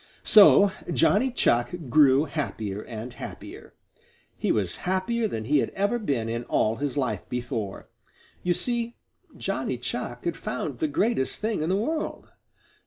So Johnny Chuck grew happier and happier. He was happier than he had ever been in all his life before. You see Johnny Chuck had found the greatest thing in the world.